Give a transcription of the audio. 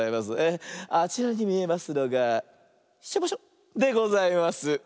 あちらにみえますのが「しょぼしょ」でございます。